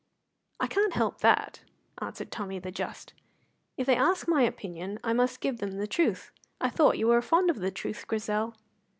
"I can't help that," answered Tommy the just. "If they ask my opinion, I must give them the truth. I thought you were fond of the truth, Grizel."